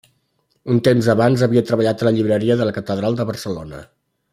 Un temps abans havia treballat a la Llibreria de la catedral de Barcelona.